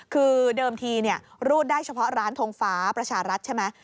คือเดิมทีรูดได้เฉพาะร้านทงฟ้าประชารัฐใช่ไหม